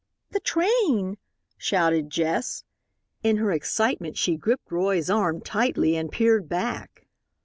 "The train!" shouted Jess. In her excitement she gripped Roy's arm tightly and peered back.